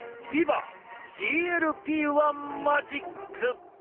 ＧＬＰ−１マジック！